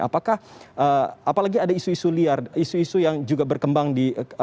apakah apalagi ada isu isu liar isu isu yang juga berkembang di